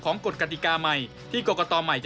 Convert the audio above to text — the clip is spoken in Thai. ของกฎกฎิกาใหม่ที่กรกตใหม่